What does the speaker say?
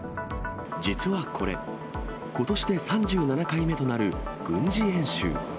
実はこれ、ことしで３７回目となる軍事演習。